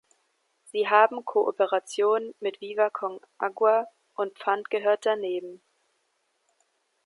Sie haben Kooperationen mit "Viva con Agua" und "Pfand gehört daneben".